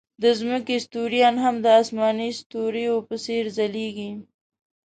د ځمکې ستوریان هم د آسماني ستوریو په څېر ځلېږي.